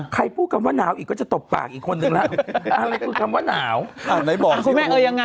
ใครพูดกันว่าหนาวอีกก็จะตบปากอีกคนนึงแล้วอะไรพูดกันว่าหนาว